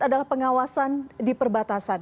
adalah pengawasan di perbatasan